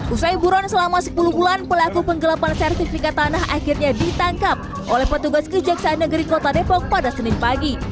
usai buron selama sepuluh bulan pelaku penggelapan sertifikat tanah akhirnya ditangkap oleh petugas kejaksaan negeri kota depok pada senin pagi